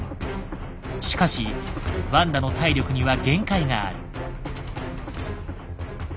しかしワンダの体力には限界がある。